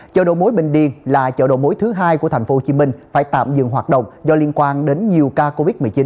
chợ đầu mối bình điền là chợ đầu mối thứ hai của tp hcm phải tạm dừng hoạt động do liên quan đến nhiều ca covid một mươi chín